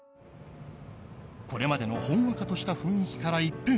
これまでのほんわかとした雰囲気から一変。